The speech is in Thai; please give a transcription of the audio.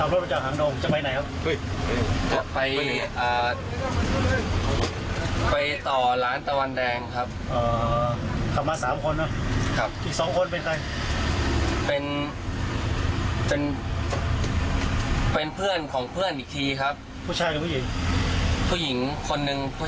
เราเป็นคนขับแล้วอีกสองคนเป็นคนนั่งรถมาด้วยเนาะ